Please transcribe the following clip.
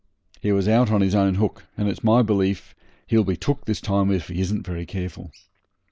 He was out on his own hook, and it's my belief he'll be took this time if he isn't very careful.